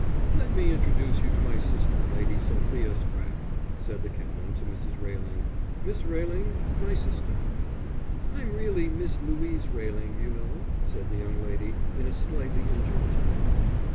"Let me introduce you to my sister, Lady Sophia Spratte," said the Canon to Mrs. Railing. "Miss Railing, my sister." "I'm really Miss Louise Railing, you know," said that young lady, in a slightly injured tone.